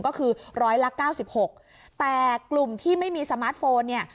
ก็คือร้อยละ๙๖แต่กลุ่มที่ไม่มีสมาร์ทโฟนเนี่ย